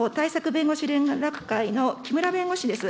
弁護士連絡会の木村弁護士です。